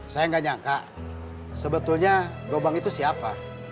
saya nggak nyangka sebetulnya gobang itu siapa